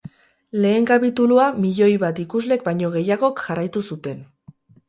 Lehen kapitulua milioi bat ikuslek baino gehiagok jarraitu zuten.